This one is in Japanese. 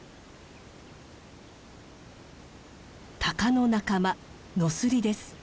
タカの仲間ノスリです。